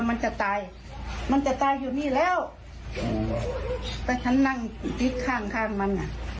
มันจะตายมันจะตายอยู่นี่แล้วถ้าฉันนั่งทิศข้างข้างมันอ่ะ